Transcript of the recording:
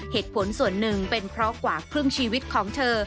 เหตุผลส่วนหนึ่งเป็นเพราะกว่าครึ่งชีวิตของเธอ